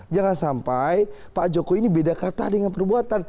jangan sampai pak jokowi ini beda kata dengan perbuatan